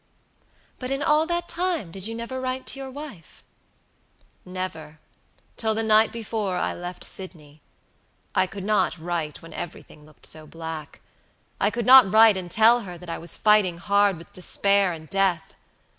"But in all that time did you never write to your wife?" "Never, till the night before I left Sydney. I could not write when everything looked so black. I could not write and tell her that I was fighting hard with despair and death.